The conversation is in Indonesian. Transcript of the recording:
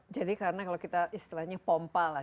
jadi karena kalau kita istilahnya pompa lah